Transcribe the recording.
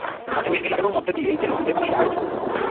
হাতে মেহেদি লাগানোর মধ্য দিয়েই যেন ঈদের খুশির আমেজ শুরু হয়।